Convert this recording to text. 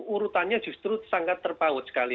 urutannya justru sangat terpaut sekali